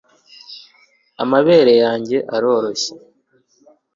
amabere yanjye aroroshye